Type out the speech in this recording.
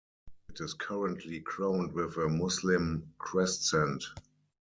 It is currently crowned with a Muslim crescent.